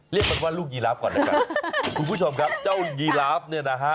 เรียกมันว่าลูกยีราฟก่อนแล้วกันคุณผู้ชมครับเจ้ายีลาฟเนี่ยนะฮะ